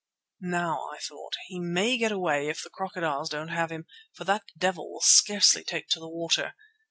Now, I thought, he may get away if the crocodiles don't have him, for that devil will scarcely take to the water.